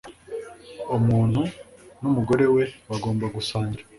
Umuntu n’umugore we bagomba gusangira